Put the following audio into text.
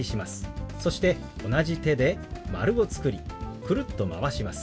そして同じ手で丸を作りくるっとまわします。